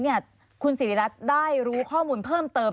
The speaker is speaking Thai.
ที่ผู้ถี่สิริรัตน์ได้รู้ข้อมูลเพิ่มเติม